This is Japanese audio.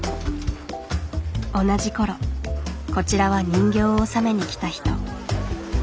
同じころこちらは人形を納めに来た人。